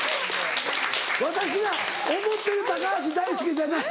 「私が思ってる高橋大輔じゃない」。